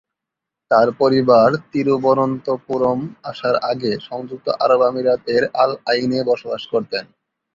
তার পরিবার তিরুবনন্তপুরম আসার আগে সংযুক্ত আরব আমিরাত এর "আল আইন"-এ বসবাস করতেন।